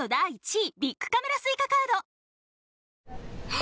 あ！